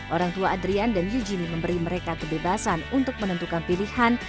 orang tua adrian dan eugenie memberi mereka kebebasan untuk menentukan pilihan